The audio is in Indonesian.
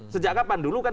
sejak kapan dulu kan